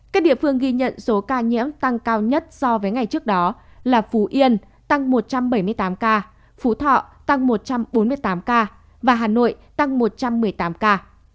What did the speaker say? các địa phương ghi nhận số ca nhiễm tăng cao nhất so với ngày trước đó là phú yên tăng một trăm bảy mươi tám ca phú thọ tăng một trăm bốn mươi tám ca và hà nội tăng một trăm một mươi tám ca